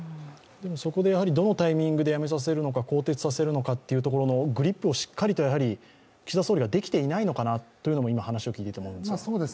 そこでどのタイミングで辞めさせるのか、更迭させるのかのグリップをしっかりと岸田総理ができていないのかなと、今、話を聞いていて思うんですが。